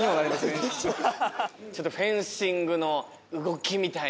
ちょっとフェンシングの動きみたいな。